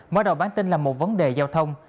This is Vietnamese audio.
mở đầu bản tin là một vấn đề giao thông